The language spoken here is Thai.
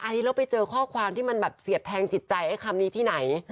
แล้วไปเจอข้อความที่มันแบบเสียดแทงจิตใจไอ้คำนี้ที่ไหน